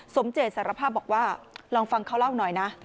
เจตสารภาพบอกว่าลองฟังเขาเล่าหน่อยนะ